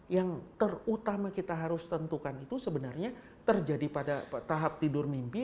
yang terutama kita harus tentukan itu sebenarnya terjadi pada tahap tidur mimpi